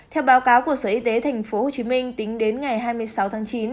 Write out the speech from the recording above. theo báo cáo của sở y tế tp hcm tính đến ngày hai mươi sáu tháng chín